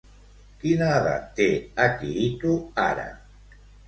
Quina edat té Akihito ara?